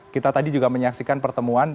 kita tadi juga menyaksikan pertemuan